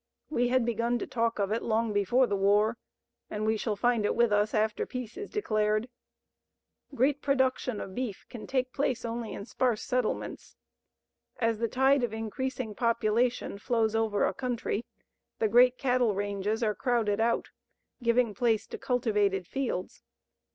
We had begun to talk of it long before the war, and we shall find it with us after peace is declared. Great production of beef can take place only in sparse settlements. As the tide of increasing population flows over a country, the great cattle ranges are crowded out, giving place to cultivated fields.